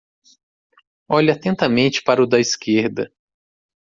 Olhe atentamente para o da esquerda.